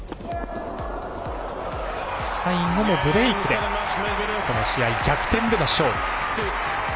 最後もブレークでこの試合、逆転での勝利。